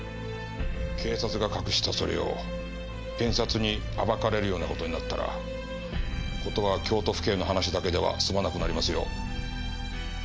警察が隠したそれを検察に暴かれるような事になったら事は京都府警の話だけでは済まなくなりますよ。